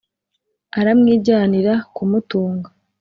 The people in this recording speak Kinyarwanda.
Aramwijyanira kumutunga